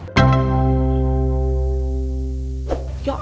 bapak sudah berhubungan dengan bapak